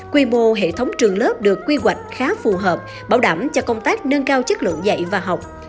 quy mô hệ thống trường lớp được quy hoạch khá phù hợp bảo đảm cho công tác nâng cao chất lượng dạy và học